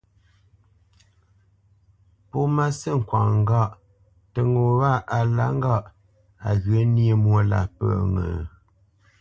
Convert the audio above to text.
Pó má sî kwaŋnə́ ŋgâʼ tə ŋo wâ á lǎ ŋgâʼ á ghyə̂ nyé mwô lâ pə́ ŋə?